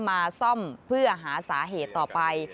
มาซ่อมเพื่อหาสาเหตุต่อไป